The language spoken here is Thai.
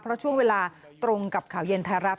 เพราะช่วงเวลาตรงกับข่าวเย็นไทยรัฐ